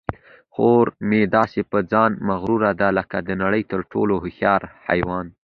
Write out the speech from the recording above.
خر مې داسې په ځان مغروره دی لکه د نړۍ تر ټولو هوښیار حیوان.